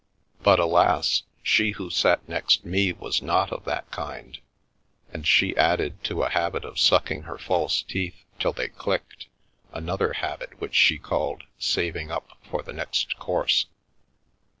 But, alas ! she who sat next me was not of that kind, and she added to a habit of sucking her false teeth till they clicked, another habit which she called " saving up for the next course."